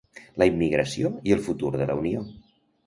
La immigració i el futur de la Unió.